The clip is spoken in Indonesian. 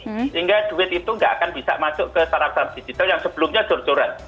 sehingga duit itu nggak akan bisa masuk ke startup startup digital yang sebelumnya jor joran